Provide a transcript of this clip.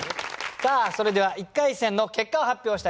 さあそれでは一回戦の結果を発表したいと思います。